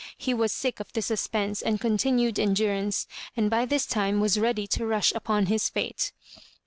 He was sick of the suspense and continued endurance, and by this time was ready to rush upon his fate.